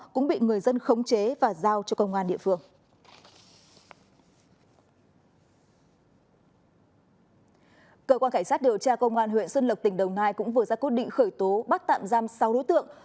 công an huyện xuân lộc tỉnh đồng nai cũng vừa ra cố định khởi tố bắt tạm giam sáu đối tượng